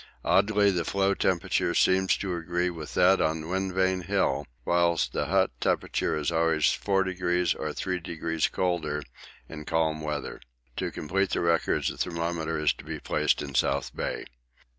Oddly, the floe temperature seems to agree with that on Wind Vane Hill, whilst the hut temperature is always 4° or 5° colder in calm weather. To complete the records a thermometer is to be placed in South Bay.